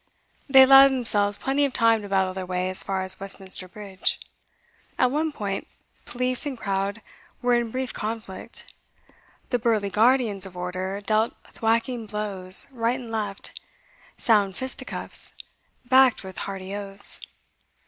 They allowed themselves plenty of time to battle their way as far as Westminster Bridge. At one point police and crowd were in brief conflict; the burly guardians of order dealt thwacking blows, right and left, sound fisticuffs, backed with hearty oaths.